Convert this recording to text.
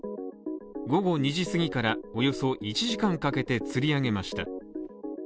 午後２時過ぎからおよそ１時間かけてつり上げました。